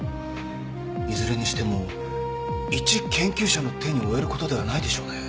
いずれにしても一研究者の手に負えることではないでしょうね。